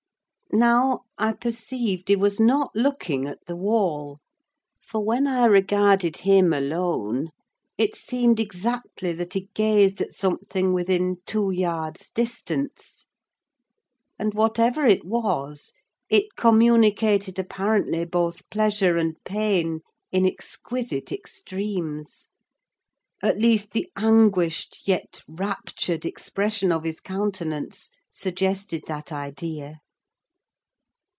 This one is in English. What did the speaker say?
Now, I perceived he was not looking at the wall; for when I regarded him alone, it seemed exactly that he gazed at something within two yards' distance. And whatever it was, it communicated, apparently, both pleasure and pain in exquisite extremes: at least the anguished, yet raptured, expression of his countenance suggested that idea.